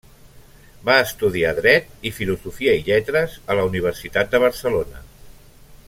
Va estudiar dret i filosofia i lletres a la Universitat de Barcelona.